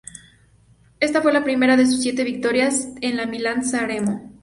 Esta fue la primera de sus siete victorias en la Milán-Sanremo.